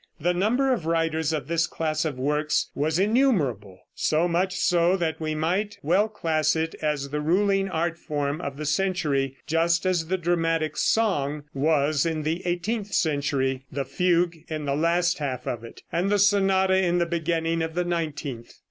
The number of writers of this class of works was innumerable, so much so that we might well class it as the ruling art form of the century, just as the dramatic song was in the eighteenth century, the fugue in the last half of it, and the sonata in the beginning of the nineteenth.